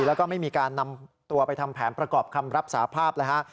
แล้วก็ไม่มีการนำตัวไปทำแผนประกอบคำรับสาภาพเลยฮะ